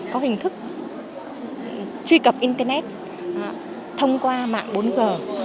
có hình thức truy cập internet thông qua mạng bốn g